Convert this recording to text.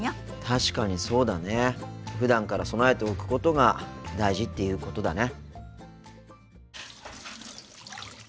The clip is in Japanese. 確かにそうだね。ふだんから備えておくことが大事っていうことだね。